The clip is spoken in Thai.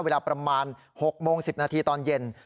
เวลาประมาณ๖โมง๑๐นาทีตอนเย็น